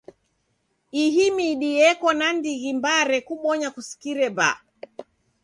Ihi midi eko na ndighi mbaa rekubonya kusikire baa.